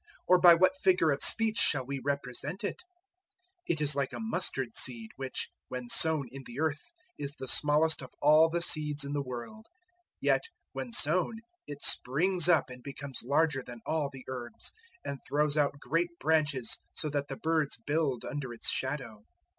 or by what figure of speech shall we represent it? 004:031 It is like a mustard seed, which, when sown in the earth, is the smallest of all the seeds in the world; 004:032 yet when sown it springs up and becomes larger than all the herbs, and throws out great branches, so that the birds build under its shadow."